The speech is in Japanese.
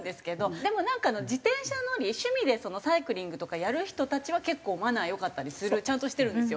でもなんか自転車乗り趣味でサイクリングとかやる人たちは結構マナー良かったりするちゃんとしてるんですよ。